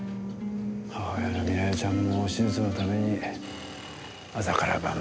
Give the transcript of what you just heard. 母親の美奈世ちゃんも手術のために朝から晩まで働きづめで。